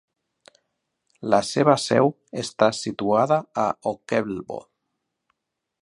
La seva seu està situada a Ockelbo.